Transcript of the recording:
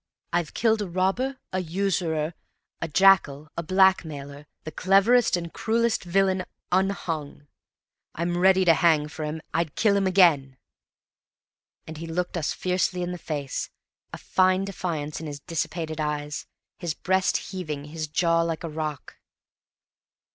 I've killed a robber, a usurer, a jackal, a blackmailer, the cleverest and the cruellest villain unhung. I'm ready to hang for him. I'd kill him again!" And he looked us fiercely in the face, a fine defiance in his dissipated eyes; his breast heaving, his jaw like a rock.